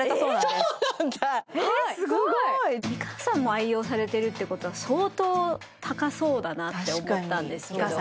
すごい美川さんも愛用されてるってことは相当高そうだなって思ったんですけど美川さん